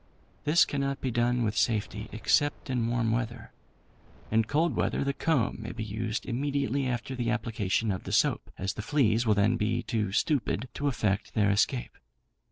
This cannot be done with safety, except in warm weather. In cold weather, the comb may be used immediately after the application of the soap, as the fleas will then be too stupid to effect their escape.